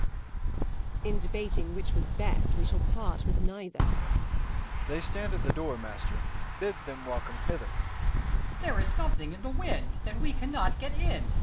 Dro. E. They stand at the door, master; bid them welcome hither. Ant. E. There is something in the wind, that we cannot get in.